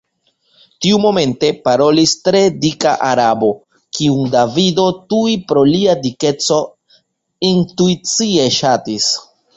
Tiumomente parolis tre dika Arabo – kiun Davido tuj pro lia dikeco intuicie ŝatis.